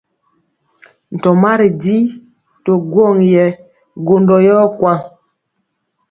Ntɔma ri ji to gwɔŋ yɛ gwondɔ yɔ kwaŋ.